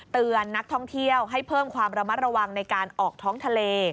เตือนนักท่องเที่ยวให้เพิ่มความระมัดระวังในการออกท้องทะเล